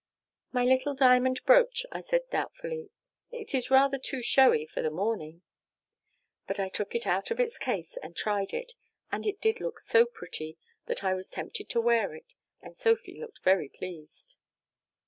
"'My little diamond brooch,' I said doubtfully. 'It is rather too showy for the morning.' "But I took it out of its case and tried it, and it did look so pretty that I was tempted to wear it, and Sophy looked very pleased.